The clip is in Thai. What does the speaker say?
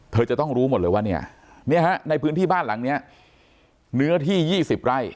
เธอจะต้องรู้หมดเลยว่าเนี่ยฮะในพื้นที่บ้านหลังนี้เนื้อที่๒๐ไร่